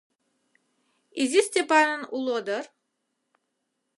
Изи Степанын уло дыр...